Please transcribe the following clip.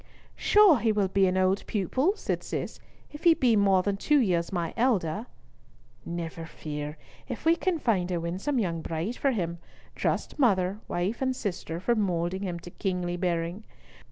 "Sure he will be an old pupil!" said Cis, "if he be more than two years my elder." "Never fear, if we can find a winsome young bride for him, trust mother, wife, and sister for moulding him to kingly bearing.